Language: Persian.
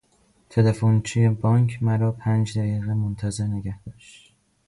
تلفنچی بانک مرا پنج دقیقه منتظر نگهداشت.